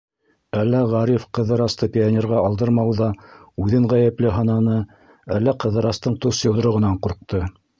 Әллә Ғариф Ҡыҙырасты пионерға алдырмауҙа үҙен ғәйепле һананы, әллә Ҡыҙырастың тос йоҙроғонан ҡурҡты.